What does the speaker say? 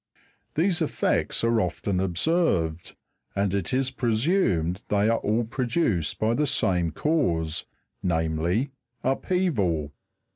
These effects are often observed, ad it is presumed they are all produced by the same cause, namely, upheaval.